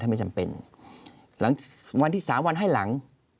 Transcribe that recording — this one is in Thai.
ไม่จำเป็นหลังวันที่สามวันให้หลัง